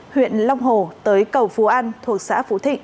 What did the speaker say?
huyện long hồ tới cầu phú an thuộc xã phú thịnh